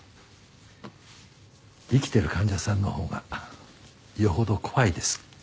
生きてる患者さんのほうがよほど怖いです。